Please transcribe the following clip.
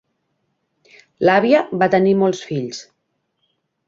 L'àvia va tenir molts fills.